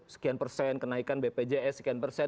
sekian persen kenaikan bpjs sekian persen